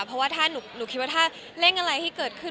เพราะว่าถ้าหนูคิดว่าถ้าเร่งอะไรที่เกิดขึ้น